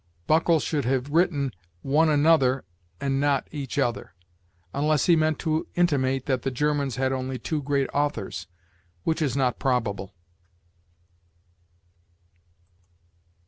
Buckle should have written one another and not each other, unless he meant to intimate that the Germans had only two great authors, which is not probable.